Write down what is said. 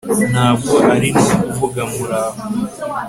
Ntabwo ari no kuvuga Muraho